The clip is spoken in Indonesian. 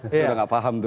sudah tidak paham tuh